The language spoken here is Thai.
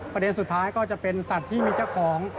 ประเด็นสุดท้ายก็จะเป็นสัตว์ที่มีเจ้าของ